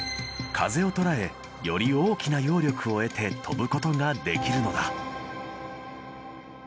風をとらえより大きな揚力を得て飛ぶことができるのだ。